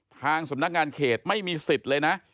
ทางสำนักงานเขตไม่มีสิทธิ์เลยนะ